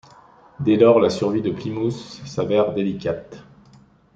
Dès lors, la survie de Plymouth s'avère délicate.